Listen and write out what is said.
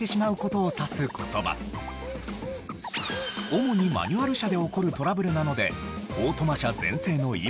主にマニュアル車で起こるトラブルなのでオートマ車全盛の今。